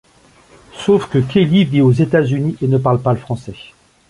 Sauf que Kelly vit aux États-Unis et ne parle pas le français.